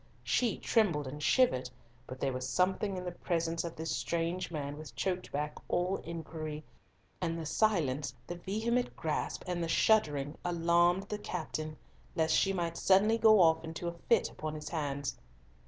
She trembled and shivered, but there was something in the presence of this strange man which choked back all inquiry, and the silence, the vehement grasp, and the shuddering, alarmed the captain, lest she might suddenly go off into a fit upon his hands.